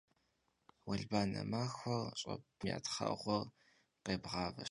Vuelbane maxuer ş'epıtxhş, fızım ya txheğuer khebğaveş.